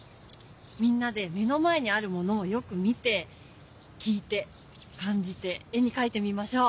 みんなで目の前にあるものをよく見て聞いて感じて絵にかいてみましょう。